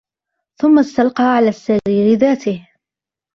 ثم استلقى على السرير ذاته.